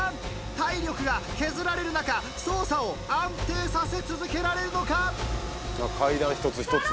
体力が削られる中操作を安定させ続けられるのか？